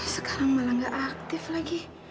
sekarang malah gak aktif lagi